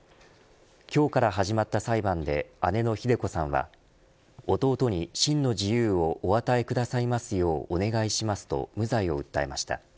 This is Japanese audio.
今日から始まった裁判で姉のひで子さんは弟に真の自由をお与えくださいますようお願いしますと無罪を訴えました。